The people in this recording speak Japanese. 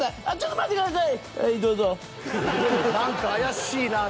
回ってください。